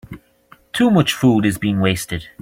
Too much food is being wasted.